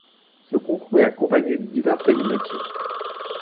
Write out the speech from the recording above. Ce concours est accompagné de diverses animations.